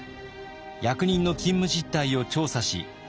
役人の勤務実態を調査し汚職を撲滅。